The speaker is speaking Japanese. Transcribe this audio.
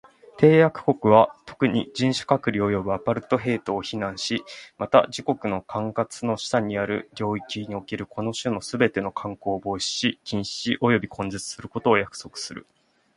締約国は、特に、人種隔離及びアパルトヘイトを非難し、また、自国の管轄の下にある領域におけるこの種のすべての慣行を防止し、禁止し及び根絶することを約束する。